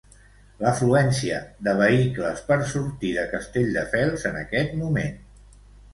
L'afluència de vehicles per sortir de Castelldefels en aquest moment.